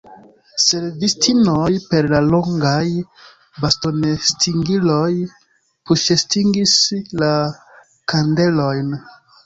Servistinoj per la longaj bastonestingiloj puŝestingis la kandelojn.